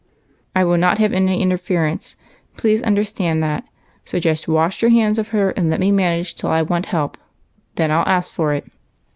I will not have any interference, — please under stand that ; so just wash your hands of her, and let me manage till I want help, then I '11 ask for it."